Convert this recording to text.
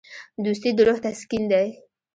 دوستي د روح تسکین دی.